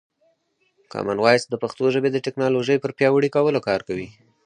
کامن وایس د پښتو ژبې د ټکنالوژۍ پر پیاوړي کولو کار کوي.